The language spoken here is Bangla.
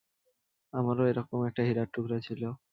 আমারও এরকম একটা হীরার টুকরো ছিল!